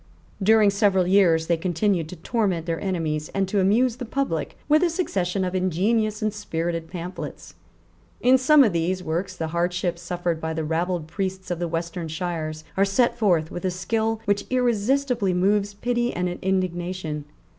During several years they continued to torment their enemies and to amuse the public with a succession of ingenious and spirited pamphlets. In some of these works the hardships suffered by the rabbled priests of the western shires are set forth with a skill which irresistibly moves pity and indignation.